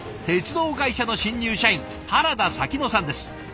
鉄道会社の新入社員原田咲乃さんです。